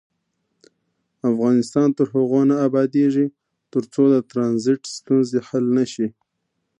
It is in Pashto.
افغانستان تر هغو نه ابادیږي، ترڅو د ټرانزیت ستونزې حل نشي.